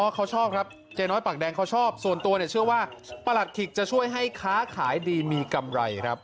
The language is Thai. เขาชอบครับเจ๊น้อยปากแดงเขาชอบส่วนตัวเนี่ยเชื่อว่าประหลัดขิกจะช่วยให้ค้าขายดีมีกำไรครับ